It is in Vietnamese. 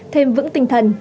thêm vững tinh thần